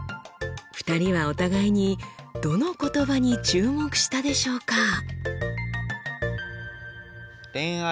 ２人はお互いにどの言葉に注目したでしょうか？